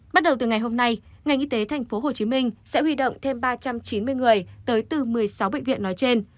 bắt đầu từ ngày hôm nay ngành y tế tp hcm sẽ huy động thêm ba trăm chín mươi người tới từ một mươi sáu bệnh viện nói trên